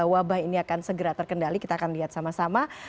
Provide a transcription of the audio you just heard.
wabah ini akan segera terkendali kita akan lihat sama sama